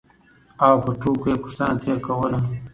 او په ټوکو یې پوښتنه ترې کوله